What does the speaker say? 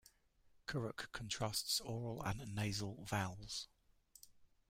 Kurukh contrasts oral and nasal vowels.